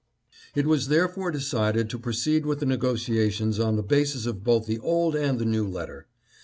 It was therefore decided to proceed with the negotiations on the basis of both the old and the new letter.